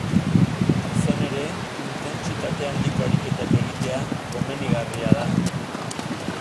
Izan ere, intentsitate handiko ariketak egitea komenigarria da.